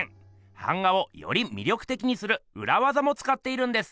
版画をより魅力的にするうらわざもつかっているんです！